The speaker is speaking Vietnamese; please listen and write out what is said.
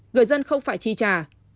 người dân không phải tri trả